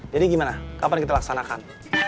jadi gimana kapan kita laksanakan